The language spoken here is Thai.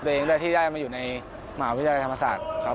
เดินเองได้ที่ได้มาอยู่ในหมาวิทยาลัยธรรมศาสตร์ครับ